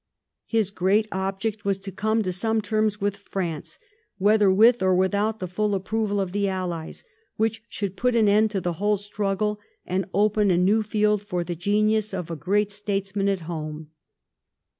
His great object was to come to some terms with France, whether with or without the full approval of the Allies, which should put an end to the whole struggle, and open a new field for the genius of a great statesman at home.